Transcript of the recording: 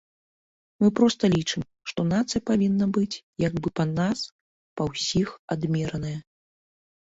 Мы проста лічым, што нацыя павінна быць як бы па нас па ўсіх адмераная.